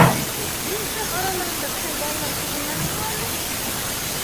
— Ни эшләп араларында беҙҙең балалар күренмәне һуң әле?